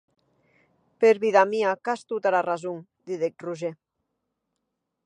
Per vida mia qu’as tota era rason, didec Roger.